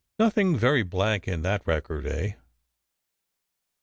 Nothing very black in that record, eh?"